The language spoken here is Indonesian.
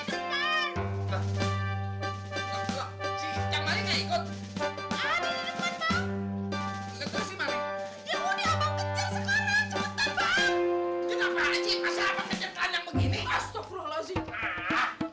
eee celanenya dulu ya pak